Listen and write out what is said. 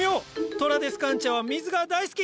トラデスカンチアは水が大好き！